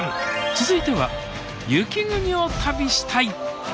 続いては「雪国を旅したい」。